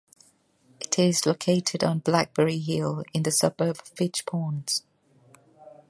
It is located on Blackberry Hill in the suburb of Fishponds.